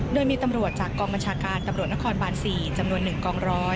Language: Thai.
โดยมีตำรวจจากกองบัญชาการตำรวจนครบาน๔จำนวน๑กองร้อย